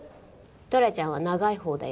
トラちゃんは長いほうだよ。